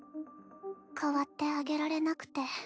代わってあげられなくて。